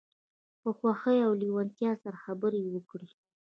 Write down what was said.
په خوښۍ او لیوالتیا سره خبرې وکړئ.